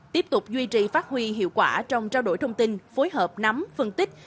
tiếp tục duy trì phát huy hiệu quả trong trao đổi thông tin phối hợp nắm phân tích